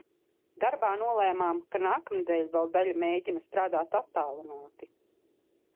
Darbā nolēmām, ka nākamnedēļ vēl daļa mēģina strādāt attālināti.